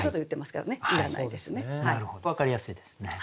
なるほど分かりやすいですね。